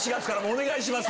お願いします